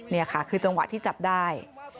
นี่ค่ะคือจังหวะที่จับได้